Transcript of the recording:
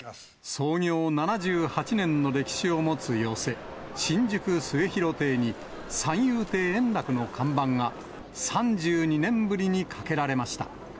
創業７８年の歴史を持つ寄席、新宿末広亭に、三遊亭円楽の看板が、３２年ぶりにかけられました。